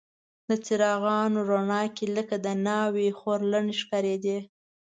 د څراغونو رڼا کې لکه د ناوې خورلڼې ښکارېدې.